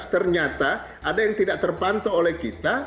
ternyata ada yang tidak terpantau oleh kita